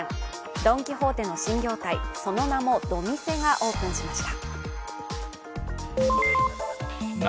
ドン・キホーテの新業態、その名もドミセがオープンしました。